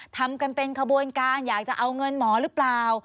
ทำกันเป็นขบวนการอยากจะเอาเงินหมอหรือเปล่า